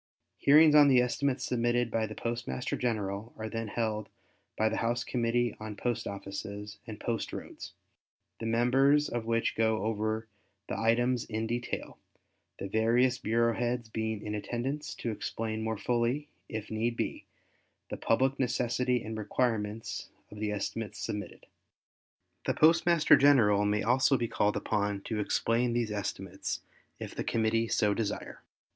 Hearings on the estimates submitted by the Postmaster General are then held by the House Committee on Post Offices and Post Roads, the members of which go over the items in detail, the various bureau heads being in attendance to explain more fully, if need be, the public necessity and requirements of the estimates submitted. The Postmaster General may also be called upon to explain these estimates if the Committee so desire.